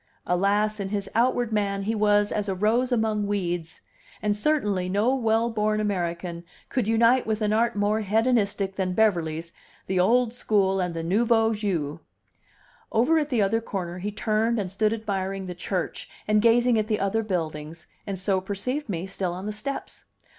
Alas, in his outward man he was as a rose among weeds! And certainly, no well born American could unite with an art more hedonistic than Beverly's the old school and the nouveau jeu! Over at the other corner he turned and stood admiring the church and gazing at the other buildings, and so perceived me still on the steps.